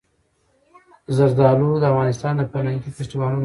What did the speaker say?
زردالو د افغانستان د فرهنګي فستیوالونو برخه ده.